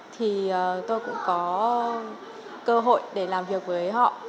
thì tôi cũng có cơ hội để làm việc với họ